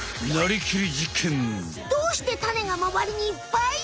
どうしてタネがまわりにいっぱい？